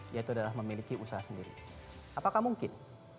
yaitu adalah memiliki usaha sendiri apakah mungkin